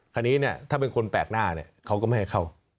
คราวนี้เนี่ยถ้าเป็นคนแปลกหน้าเนี่ยเขาก็ไม่ให้เข้า